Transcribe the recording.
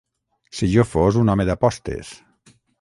Si jo fos un home d'apostes.